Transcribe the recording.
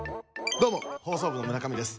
どうも放送部の村上です。